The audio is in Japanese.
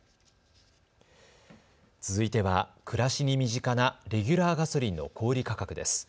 続いては暮らしに身近なレギュラーガソリンの小売価格です。